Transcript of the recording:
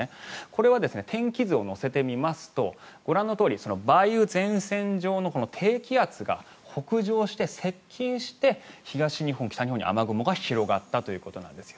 これは天気図を乗せてみますとご覧のとおり梅雨前線上の低気圧が北上して接近して東日本、北日本に雨雲が広がったということなんです。